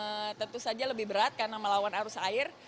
yang tentu saja lebih berat karena melawan arus air